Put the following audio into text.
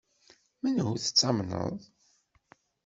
Menhu tettamneḍ?